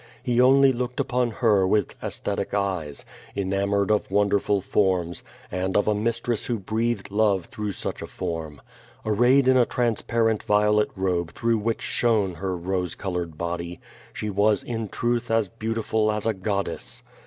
He only looked upon her with aesthetic eyes, enamored of wonderful forms, and of a mistress who breathed love through such a form. Arrayed in a transparent violet robe through which shone her rose colored body she was in truth as beautiful as a goddess.